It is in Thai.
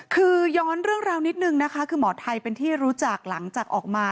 คือย้อนเรื่องราวนิดนึงนะคะคือหมอไทยเป็นที่รู้จักหลังจากออกมา